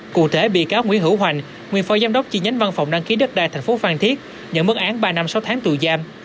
cụ thể bị cáo nguyễn hữu hoành nguyên phó giám đốc chi nhánh văn phòng đăng ký đất đai tp phan thiết nhận mức án ba năm sáu tháng tù giam